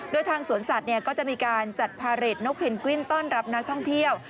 โดยทางสวนสัตว์ก็จะมีการจัดพาเรทนกเพนกวินต้อนรับนักท่องเที่ยว